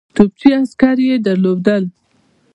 توپچي عسکر یې درلودل.